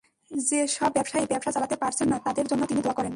যেসব ব্যবসায়ী ব্যবসা চালাতে পারছে না, তাদের জন্য তিনি দোয়া করেন।